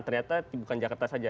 ternyata bukan jakarta saja